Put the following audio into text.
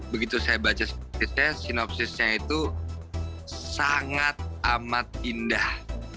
begitu saya baca spesiesnya sinopsisnya itu sangat amat indah